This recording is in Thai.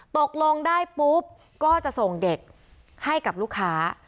ตกลงได้ปุ๊บก็จะส่งเด็กให้กับลูกค้า